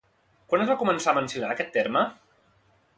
Quan es va començar a mencionar aquest terme?